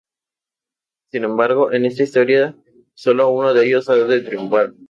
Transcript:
Sin embargo, en esta historia, sólo uno de ellos ha de triunfar.